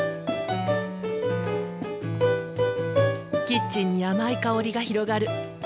キッチンに甘い香りが広がる。